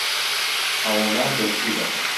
هەوڵدان بێسوودە.